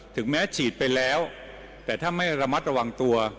ถึงแม้ฉีดไปแล้วแต่ถ้าไม่ระมัดระวังตัว